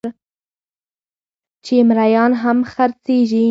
چې مريان هم خرڅېږي